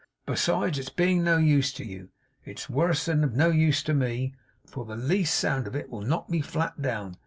Besides its being of no use to you, it's worse than of no use to me, for the least sound of it will knock me flat down.